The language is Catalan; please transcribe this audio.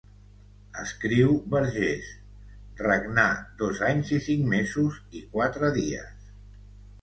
Escriu Vergés: «Regnà dos anys i cinc mesos i quatre dies.